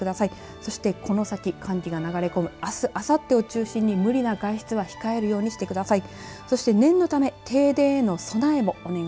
そしてこの先寒気が流れ込むあす、あさってを中心に無理な外出を控えるようにしてください。